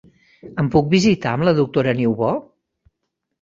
Em puc visitar amb la doctora Niubó?